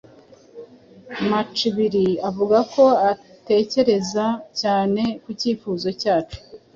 Macibiri avuga ko atekereza cyane ku cyifuzo cyacu.